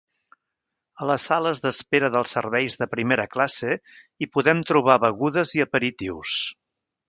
A les sales d"espera dels serveis de primera classe hi podem trobar begudes i aperitius.